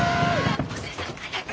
お寿恵さん早く！